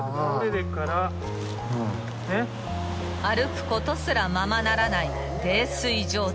［歩くことすらままならない］